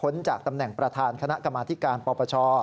จากตำแหน่งประธานคณะกรรมาธิการปปช